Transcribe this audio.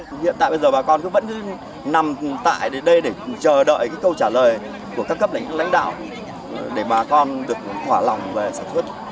hiện tại bây giờ bà con vẫn cứ nằm tại đây để chờ đợi cái câu trả lời của các cấp lãnh đạo để bà con được thỏa lòng về sản xuất